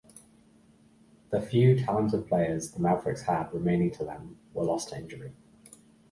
The few talented players the Mavericks had remaining to them were lost to injury.